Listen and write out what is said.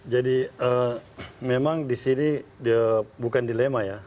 jadi memang di sini bukan dilema ya